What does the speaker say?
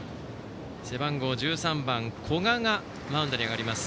背番号１３番、古賀がマウンドに上がります。